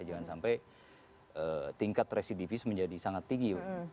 jangan sampai tingkat residivis menjadi sangat tinggi